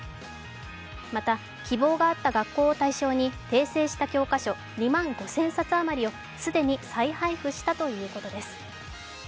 また希望があった学校を対象に訂正した教科書２万５０００冊あまりを既に再配布したということです。